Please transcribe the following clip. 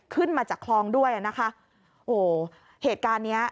ขึ้นมาจากคลองด้วยอ่ะนะคะโอ้โหเหตุการณ์เนี้ย